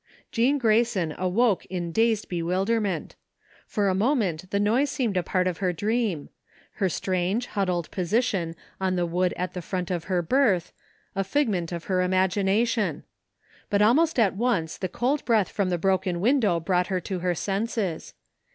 Jean Grayson awoke in dazed bewilderment. For a moment the noise seemed a part of her dream ; her strange, huddled position on the wood at the foot of her berth, a figment of her imagination. But almost at once the cold breath from the broken window brought her to her senses.